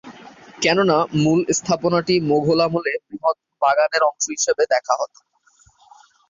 কেননা মূল স্থাপনাটি মোঘল আমলে বৃহৎ বাগানের অংশ হিসেবে দেখা হতো।